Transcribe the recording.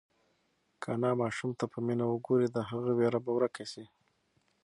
که انا ماشوم ته په مینه وگوري، د هغه وېره به ورکه شي.